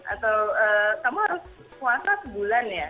atau kamu harus puasa sebulan ya